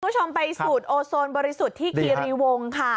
คุณผู้ชมไปสูตรโอโซนบริสุทธิ์ที่คีรีวงค่ะ